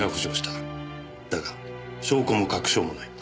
だが証拠も確証もない。